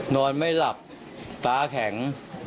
นอนไม่หลับตาแข็ง